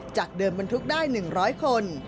จากเดิมบรรทุกได้๑๐๐คน